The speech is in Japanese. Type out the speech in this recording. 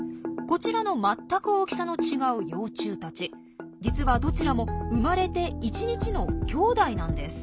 こちらの全く大きさの違う幼虫たち実はどちらも生まれて１日のきょうだいなんです。